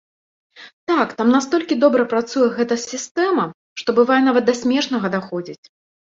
Так, там настолькі добра працуе гэта сістэма, што бывае нават да смешнага даходзіць.